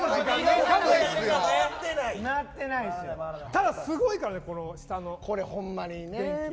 ただ、すごいからね下の電気。